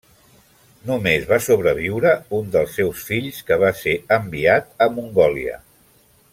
Només va sobreviure un dels seus fills, que va ser enviat a Mongòlia.